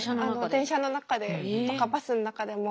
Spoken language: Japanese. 電車の中でとかバスの中でも。